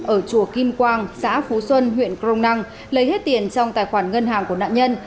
ở chùa kim quang xã phú xuân huyện crong năng lấy hết tiền trong tài khoản ngân hàng của nạn nhân